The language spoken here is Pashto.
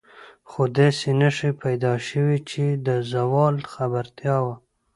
خو داسې نښې پیدا شوې چې د زوال خبرتیا وه.